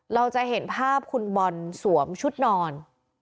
เราจะเห็นภาพคุณบอลสวมชุดนอน